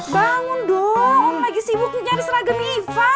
bangun dong lagi sibuk nyari seragam ivan